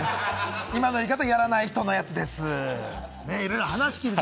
今の言い方はやらない人のやつです。